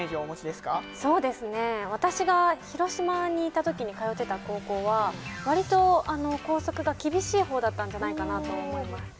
私が広島にいた時に通っていた高校は割と校則が厳しい方だったんじゃないかなと思います。